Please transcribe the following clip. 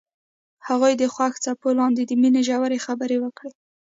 هغوی د خوښ څپو لاندې د مینې ژورې خبرې وکړې.